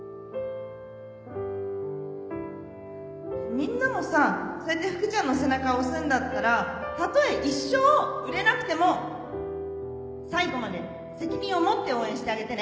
みんなもさそうやって福ちゃんの背中押すんだったらたとえ一生売れなくても最後まで責任を持って応援してあげてね。